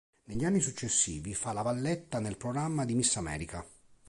Negli anni successivi fa la valletta nel programma di Miss America.